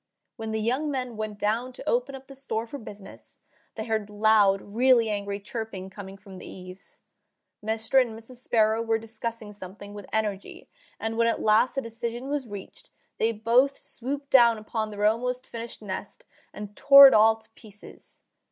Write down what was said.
When the young men went down to open up the store for business, they heard loud, really angry, chirping coming from the eaves. Mr. and Mrs. Sparrow were discussing something with energy, and when at last a decision was reached they both swooped down upon their almost finished nest and tore it all to pieces.